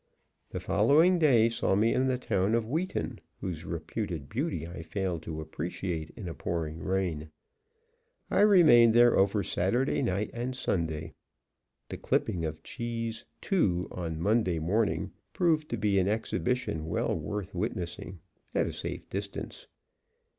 The following day saw me in the town of Wheaton, whose reputed beauty I failed to appreciate in a pouring rain. I remained there over Saturday night and Sunday. The clipping of Cheese II on Monday morning proved to be an exhibition well worth witnessing at a safe distance.